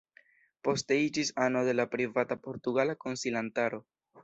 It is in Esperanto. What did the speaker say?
Poste iĝis ano de la Privata Portugala Konsilantaro.